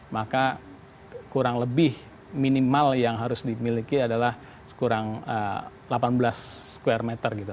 maka kurang lebih minimal yang harus dimiliki adalah kurang delapan belas square meter gitu